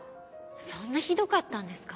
そんなひどかったんですか？